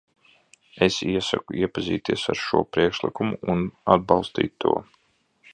Es iesaku iepazīties ar šo priekšlikumu un atbalstīt to.